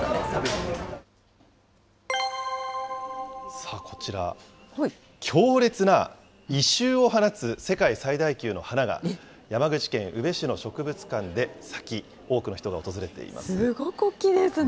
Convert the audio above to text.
さあこちら、強烈な異臭を放つ、世界最大級の花が、山口県宇部市の植物館で咲き、すごく大きいですね。